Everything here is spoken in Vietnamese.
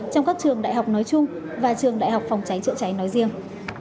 trong các trường đại học nói chung và trường đại học phòng cháy chữa cháy nói riêng